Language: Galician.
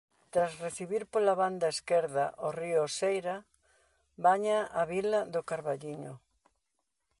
Tras recibir pola banda esquerda o río Oseira baña a vila do Carballiño.